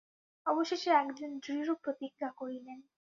অবশেষে একদিন দৃঢ় প্রতিজ্ঞা করিলেন।